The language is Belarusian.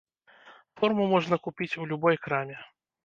Форму можна купіць у любой краме.